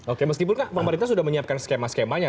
oke meskipun pak pemerintah sudah menyiapkan skema skema